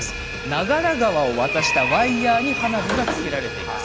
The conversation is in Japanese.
長良川を渡したワイヤーに花火がつけられます。